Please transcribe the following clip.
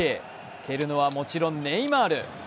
蹴るのはもちろんネイマール。